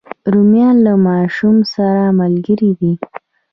رومیان له ماشوم سره ملګري دي